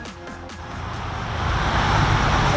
selain harganya yang murah